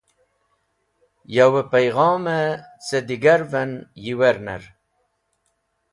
Yawẽ payghomẽ cẽ digarvẽn yiwernẽr.